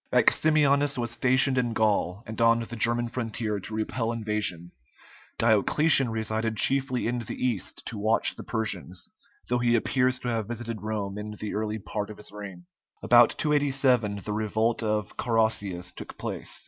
Maximianus was stationed in Gaul and on the German frontier to repel invasion; Diocletian resided chiefly in the East to watch the Persians, though he appears to have visited Rome in the early part of his reign. About 287 the revolt of Carausius took place.